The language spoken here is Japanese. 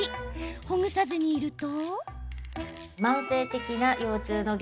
ほぐさずにいると。